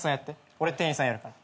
俺店員さんやるから。